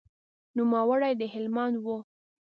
نوموړی د هلمند و.